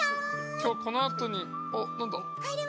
今日このあとにおっなんだ？